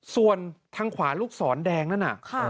ส่วนทางขวาลูกศรแดงนั่นน่ะ